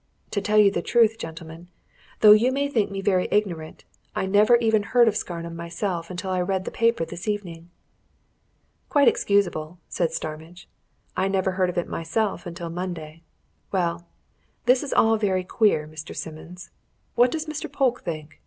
To tell you the truth, gentlemen, though you may think me very ignorant, I never even heard of Scarnham myself until I read the paper this evening." "Quite excusable," said Starmidge. "I never heard of it myself until Monday. Well this is all very queer, Mr. Simmons. What does Mr. Polke think?